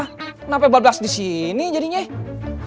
kenapa babas di sini jadinya ya